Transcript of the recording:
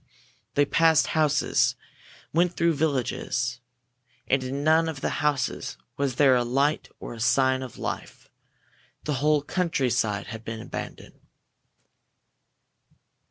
They passed houses, went through villages. And in none of the houses was there a light or a sign of life. The whole countryside had been abandoned.